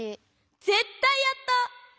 ぜったいやった！